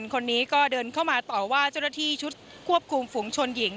คนนี้ก็เดินเข้ามาต่อว่าเจ้าหน้าที่ชุดควบคุมฝุงชนหญิง